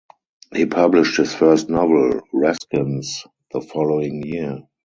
He published his first novel "Raskens" the following year.